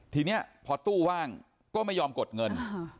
ทีนี้พอตู้ว่างก็ไม่ยอมกดเงิน